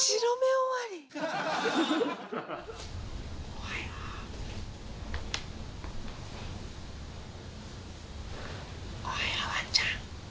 おはようウォンちゃん。